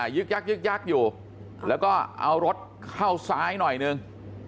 ึกยักยึกยักอยู่แล้วก็เอารถเข้าซ้ายหน่อยนึง